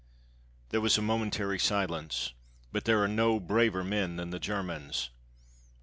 There was a momentary silence; but there are no braver men than the Germans.